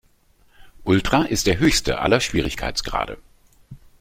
Ultra ist der höchste aller Schwierigkeitsgrade.